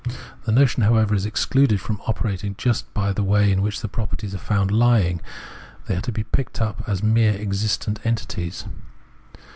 The notion however is excluded from operating just by the way in which the properties are found lying ; they are to be picked up as mere existent entities.